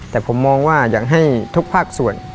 แต่ผมมองว่าอยากให้ทุกภาคส่วน